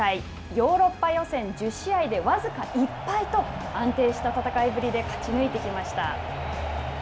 ヨーロッパ予選１０試合で、わずか１敗と、安定した戦いぶりで勝ち抜いてきました。